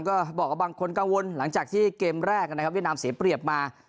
ก็บอกว่าบางคนกังวลหลังจากที่เกมแรกนะครับเวียดนามเสียเปรียบมา